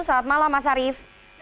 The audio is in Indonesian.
selamat malam mas arief